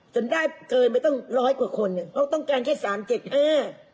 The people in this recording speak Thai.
ถ้าเกิดไม่ต้องร้อยกว่าคนเขาต้องการแค่สามเจ็ดห้า